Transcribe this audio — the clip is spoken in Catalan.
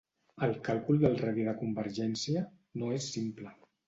El càlcul del radi de convergència no és simple.